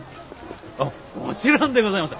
あっもちろんでございます。